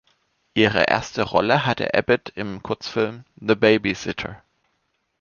Ihre erste Rolle hatte Abbott im Kurzfilm "The Babysitter".